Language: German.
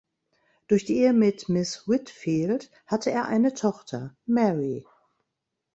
Durch die Ehe mit Miss Whitfield hatte er eine Tochter, Mary.